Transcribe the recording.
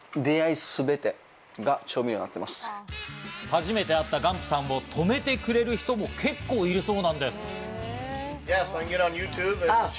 初めて会ったガンプさんを泊めてくれる人も結構いるそうなんです。